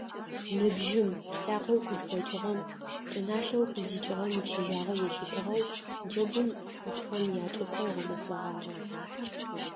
Ныбжьым , лӏакъоу къызхэкӏыгъэм, чӏыналъэу къыздикӏыгъэм ичыжьагъэ ялъытыгъэу джэгум ӏутхэм ячӏыпӏэ гъэнэфэгъагъэ.